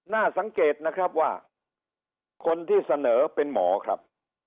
น่าสังเกตนะครับว่าคนที่เสนอเป็นหมอครับ